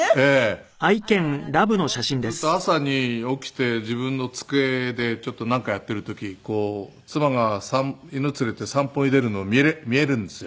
こうやってずっと朝に起きて自分の机でちょっとなんかやっている時妻が犬連れて散歩に出るの見えるんですよ。